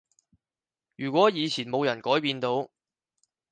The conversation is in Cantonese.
如果以前冇人改變到